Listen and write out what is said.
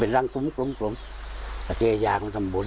เป็นรังกลุ่มและเกียจยากเราทำบุญ